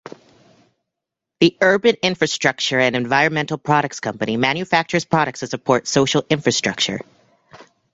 The Urban Infrastructure and Environmental Products Company manufactures Products to support social infrastructure.